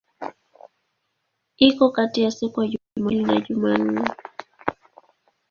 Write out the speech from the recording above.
Iko kati ya siku za Jumapili na Jumanne.